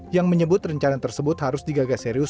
yang menyebut rencana tersebut harus digagas serius